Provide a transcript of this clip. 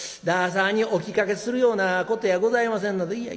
旦さんにお聞かせするようなことやございませんので」。